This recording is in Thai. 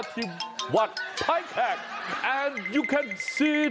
ทุกคนค่ะทุกคนค่ะทุกคนค่ะทุกคนค่ะทุกคนค่ะ